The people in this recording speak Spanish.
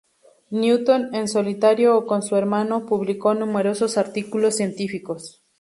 Newton, en solitario o con su hermano, publicó numerosos artículos científicos.